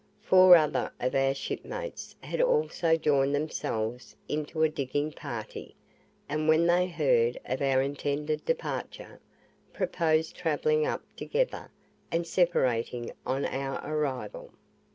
Four other of our shipmates had also joined themselves into a digging party, and when they heard of our intended departure, proposed travelling up together and separating on our arrival.